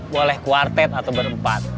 boleh kuartet atau berempat